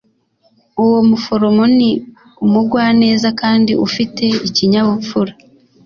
uwo muforomo ni umugwaneza kandi ufite ikinyabupfura